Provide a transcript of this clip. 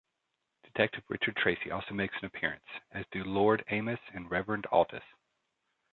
Detective Richard Tracy also makes an appearance, as do 'Lord' Amis and 'Reverend' Aldiss.